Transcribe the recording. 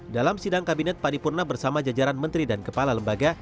dalam sidang kabinet paripurna bersama jajaran menteri dan kepala lembaga